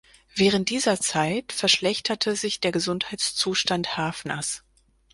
Während dieser Zeit verschlechterte sich der Gesundheitszustand Hafners.